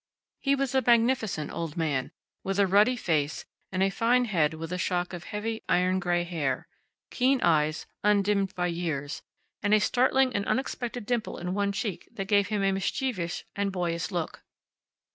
He was a magnificent old man, with a ruddy face, and a fine head with a shock of heavy iron gray hair, keen eyes, undimmed by years, and a startling and unexpected dimple in one cheek that gave him a mischievous and boyish look.